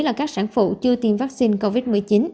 là các sản phụ chưa tiêm vaccine covid một mươi chín